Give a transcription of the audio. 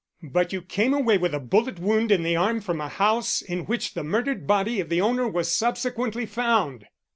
But you came away with a bullet wound in the arm from a house in which the murdered body of the owner was subsequently found."